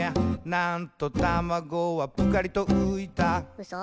「なんとタマゴはプカリとういた」うそ！？